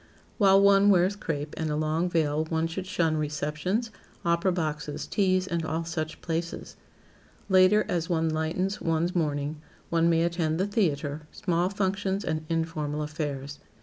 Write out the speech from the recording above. While one wears crape and a long veil one should shun receptions, opera boxes, teas and all such places. Later, as one lightens one's mourning, one may attend the theater, small functions and informal affairs.